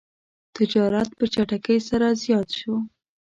تجارت په چټکۍ سره زیات شو.